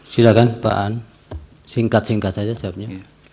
silahkan pak an singkat singkat saja jawabnya